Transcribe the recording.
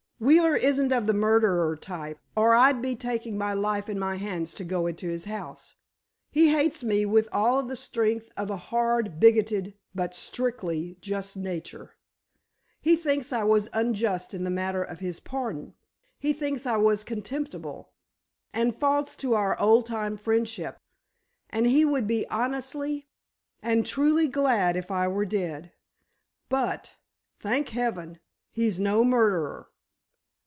Wheeler isn't of the murderer type, or I'd be taking my life in my hands to go into his house! He hates me with all the strength of a hard, bigoted, but strictly just nature. He thinks I was unjust in the matter of his pardon, he thinks I was contemptible, and false to our old time friendship; and he would be honestly and truly glad if I were dead. But—thank heaven—he's no murderer!"